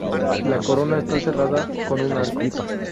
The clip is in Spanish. La corona está cerrada con un arco.